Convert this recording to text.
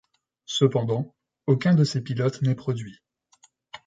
Cependant, aucun de ces pilotes n'est produit.